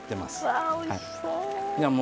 わあおいしそう。